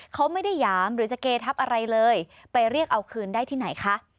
เขาไม่ได้หยามหรือจะเกทับอะไรเลยไปเรียกเอาคืนได้ที่ไหนคะ